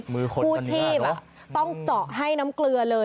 มือขดกันเนี่ยผู้ชีพต้องเจาะให้น้ำเกลือเลย